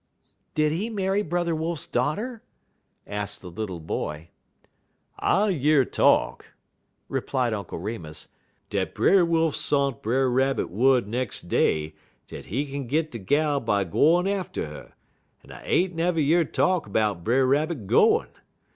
"Did he marry Brother Wolf's daughter?" asked the little boy. "I year talk," replied Uncle Remus, "dat Brer Wolf sont Brer Rabbit wud nex' day dat he kin git de gal by gwine atter 'er, but I ain't never year talk 'bout Brer Rabbit gwine.